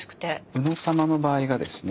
宇野様の場合がですね